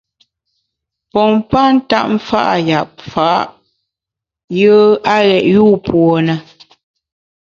Pompa ntap mfa’ yap fa’ yùe a ghét yûpuo ne.